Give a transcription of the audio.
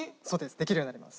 できるようになります。